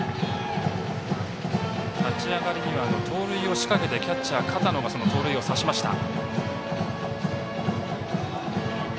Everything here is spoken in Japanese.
立ち上がりには盗塁をしかけてキャッチャー、片野がその盗塁を刺しました。